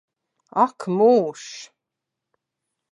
Ak mūžs!